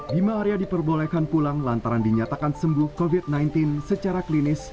bima arya diperbolehkan pulang lantaran dinyatakan sembuh covid sembilan belas secara klinis